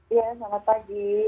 iya selamat pagi